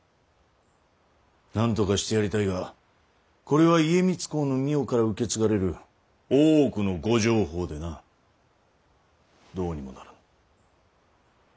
なんとかしてやりたいがこれは家光公の御世から受け継がれる大奥のご定法でなどうにもならぬ。